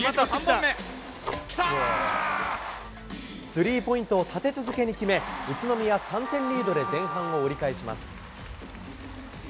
スリーポイントを立て続けに決め、宇都宮、３点リードで前半を折り返します。